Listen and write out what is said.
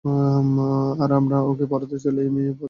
আর আমরা ওকে পড়াতে চাইলেও, এই মেয়ে পড়তে চাচ্ছে না, বাহ!